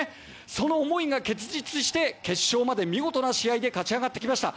その思いが結実して決勝まで見事な試合で勝ち上がってきました。